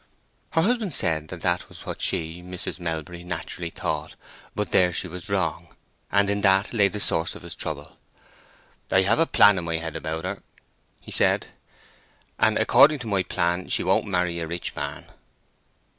Her husband said that that was what she, Mrs. Melbury, naturally thought; but there she was wrong, and in that lay the source of his trouble. "I have a plan in my head about her," he said; "and according to my plan she won't marry a rich man."